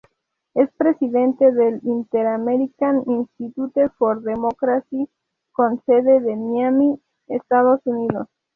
Es presidente del Interamerican Institute for Democracy, con sede en Miami, Estados Unidos.